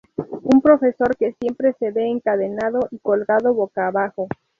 Un profesor que siempre se ve encadenado y colgado boca abajo.